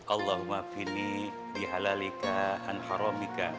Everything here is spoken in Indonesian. allahumma finni bihalalika anharamika